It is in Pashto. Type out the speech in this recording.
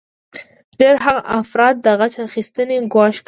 ډیری هغه افراد د غچ اخیستنې ګواښ کوي